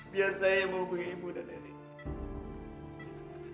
biar saya menghubungi ibu dan erik